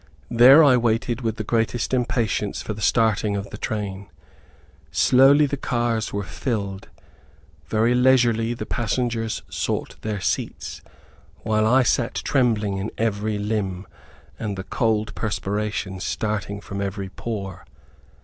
There I waited with the greatest impatience for the starting of the train. Slowly the cars were filled; very leisurely the passengers sought their seats, while I sat trembling in every limb, and the cold perspiration starting from every pore.